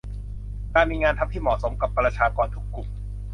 การมีงานทำที่เหมาะสมกับประชากรทุกกลุ่ม